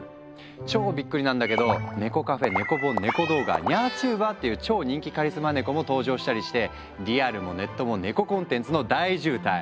超びっくりなんだけど猫カフェネコ本ネコ動画ニャーチューバーっていう超人気カリスマネコも登場したりしてリアルもネットもネココンテンツの大渋滞。